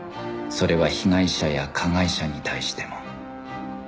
それは被害者や加害者に対しても